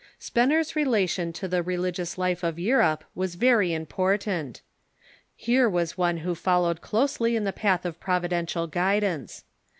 Spener's relation to the religious life of Europe was very important. Here Avas one who followed closely in the path of providential guidance.